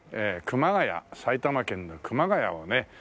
熊谷埼玉県の熊谷をね